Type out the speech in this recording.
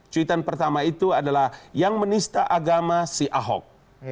cuitan pertama itu adalah yang menista agama si ahok